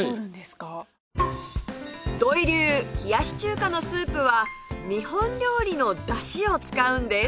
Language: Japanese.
土井流冷やし中華のスープは日本料理のだしを使うんです